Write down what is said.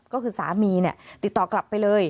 ก็คือสามีติดต่อกลับไปเลย